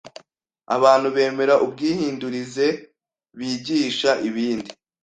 Abantu bemera ubwihindurize bigisha ibindi